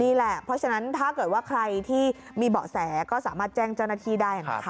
นี่แหละเพราะฉะนั้นถ้าเกิดว่าใครที่มีเบาะแสก็สามารถแจ้งเจ้าหน้าที่ได้นะคะ